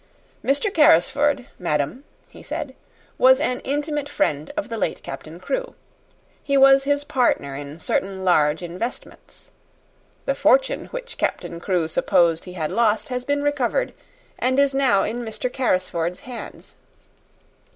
"Mr. Carrisford, madam," he said, "was an intimate friend of the late Captain Crewe. He was his partner in certain large investments. The fortune which Captain Crewe supposed he had lost has been recovered, and is now in Mr. Carrisford's hands."